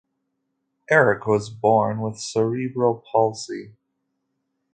Eric was born with cerebral palsy.